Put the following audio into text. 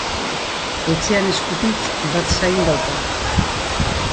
Etxean eskutitz bat zain dauka.